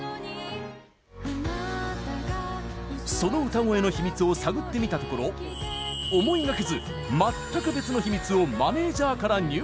その歌声のヒミツを探ってみたところ思いがけず全く別のヒミツをマネージャーから入手！